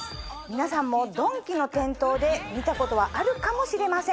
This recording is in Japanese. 皆さんもドンキの店頭で見たことはあるかもしれません。